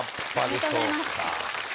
ありがとうございます。